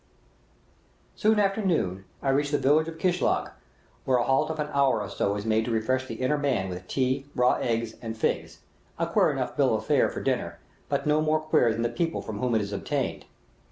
Soon after noon I reach the village of Kishlag, where a halt of an hour or so is made to refresh the inner man with tea, raw eggs, and figs a queer enough bill of fare for dinner, but no more queer than the people from whom it is obtained.